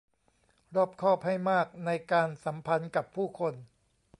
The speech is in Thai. รอบคอบให้มากในการสัมพันธ์กับผู้คน